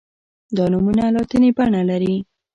دا نومونه لاتیني بڼه لري.